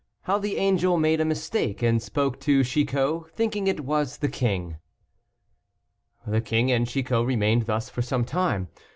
HOW THE ANGEL MADE A MISTAKE AND SPOKE TO CHICOT, THINKING IT WAS THE KING. The king and Chicot remained thus for some time.